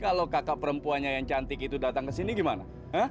kalau kakak perempuannya yang cantik itu datang kesini gimana